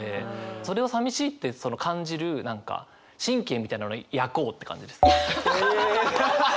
それをさみしいって感じる何か神経みたいなのを焼こうって感じです。